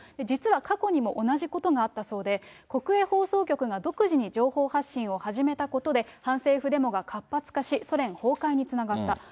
実は過去にも同じことがあったそうで、国営放送局が独自に情報発信を始めたことで、反政府デモが活発化し、ソ連崩壊につながった。